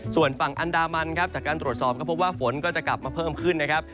ส่วนฝั่งอันดามันครับจากการตรวจสอบก็พบว่าฝนก็จะกลับมาเพิ่มขึ้นนะครับ